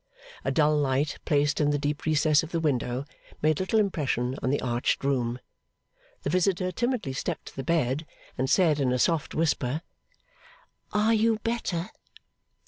A dull light placed in the deep recess of the window, made little impression on the arched room. The visitor timidly stepped to the bed, and said, in a soft whisper, 'Are you better?